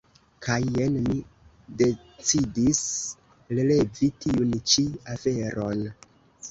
Kaj jen mi decidis relevi tiun ĉi aferon.